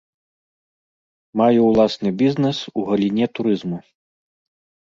Маю ўласны бізнэс у галіне турызму.